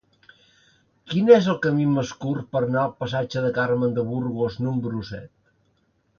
Quin és el camí més curt per anar al passatge de Carmen de Burgos número set?